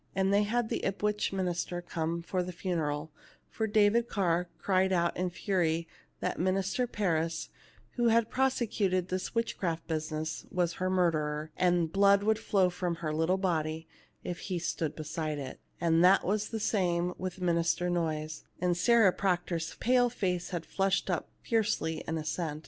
And they had the Ipswich minister come for the funeral, for David Carr cried out in a fury that Minister Parris, who had prosecuted this witchcraft busi ness, was her murderer, and blood would flow from her little body if he stood beside it, and that it w r as the same with Minister Noyes ; and Sarah Proctor's pale face had flushed up fiercely in assent.